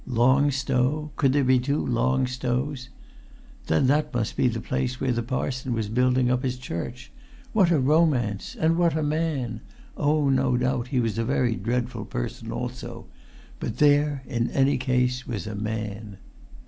Long Stow? Could there be two Long Stows? Then that must be the place where the parson was building up his church. What a romance! And what a man! Oh, no doubt he was a very dreadful person also; but there, in any case, was a Man.